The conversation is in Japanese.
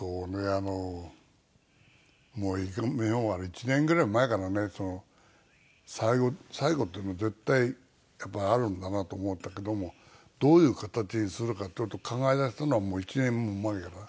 あのもう今から１年ぐらい前からね最後っていうのは絶対やっぱりあるんだなと思ったけどもどういう形にするかっていう事を考えだしたのはもう１年も前から。